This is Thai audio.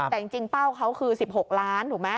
แต่จริงเป้าเขาคือ๑๖ล้านถูกไหม